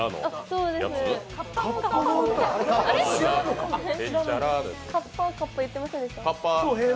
かっぱの歌かっぱ、かっぱ言ってませんでした？